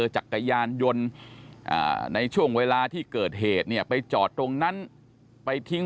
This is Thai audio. จักรยานยนต์ในช่วงเวลาที่เกิดเหตุเนี่ยไปจอดตรงนั้นไปทิ้ง